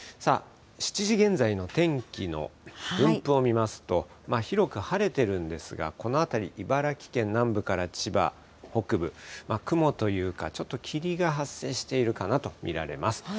７時現在の天気の分布を見ますと、広く晴れてるんですが、この辺り、茨城県南部から千葉北部、雲というか、ちょっと霧が発生しているかなと見られます。